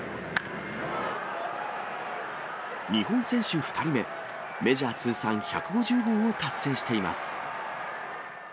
日本選手２人目、メジャー通算１５０号を達成しています。